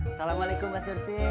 assalamualaikum mbak surti